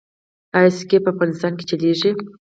آیا سکې په افغانستان کې چلیږي؟